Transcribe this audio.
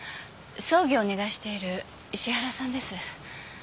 葬儀をお願いしている石原さんです。